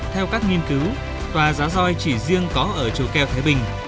theo các nghiên cứu tòa giá roi chỉ riêng có ở châu keo thái bình